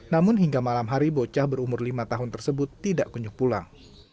namun hingga malam hari bocah berumur lima tahun tersebut tidak kunjung pulang